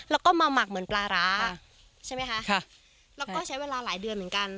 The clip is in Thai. แล้วก็มาหมักเหมือนปลาร้าใช่ไหมคะค่ะแล้วก็ใช้เวลาหลายเดือนเหมือนกัน